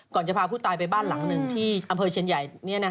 จะพาผู้ตายไปบ้านหลังหนึ่งที่อำเภอเชียนใหญ่